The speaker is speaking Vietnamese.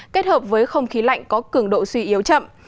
kết hợp với không khí lạnh có cường độ suy yếu chậm